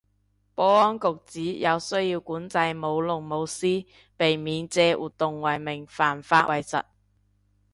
保安局指有需要管制舞龍舞獅，避免借活動為名犯法為實